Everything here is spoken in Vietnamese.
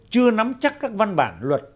chưa nắm chắc các văn bản luật